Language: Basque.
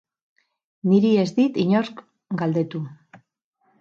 Niri ez dit inork galdetu.